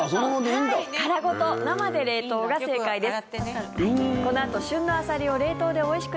殻ごと生で冷凍が正解です。